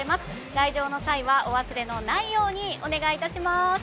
来場の際はお忘れのないようにお願いいたします。